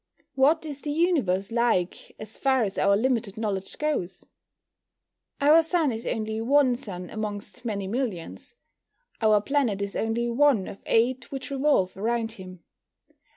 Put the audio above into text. What is the Universe like, as far as our limited knowledge goes? Our Sun is only one sun amongst many millions. Our planet is only one of eight which revolve around him.